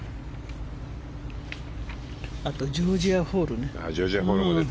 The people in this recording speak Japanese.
あとジョージア・ホールね。